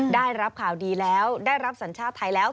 ได้รับข่าวดีแล้วได้รับสัญชาติไทยแล้ว